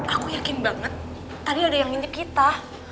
aku yakin banget tadi ada yang nginjek kita